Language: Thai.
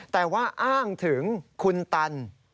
แต่ว่าอ้างถึงคุณตัน